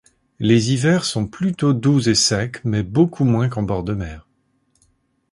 Les hivers, sont plutôt doux et secs mais beaucoup moins qu'en bord de mer.